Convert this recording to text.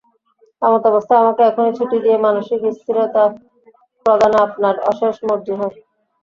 এমতাবস্থায়, আমাকে এখনই ছুটি দিয়ে মানসিক স্থিরতা প্রদানে আপনার অশেষ মর্জি হয়।